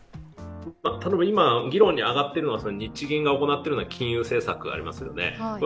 今議論に上がっているのは日銀が行っているような金融政策がありますよね。